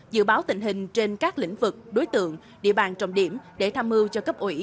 dự báo tình hình trên các lĩnh vực đối tượng địa bàn trọng điểm để tham mưu cho cấp ủy